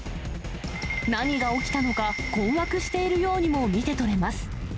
何が起きたのか、困惑しているようにも見て取れます。